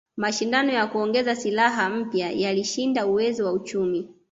Mashindano ya kuongeza silaha mpya yalishinda uwezo wa uchumi